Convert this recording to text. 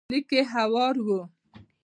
ليکي هوار و.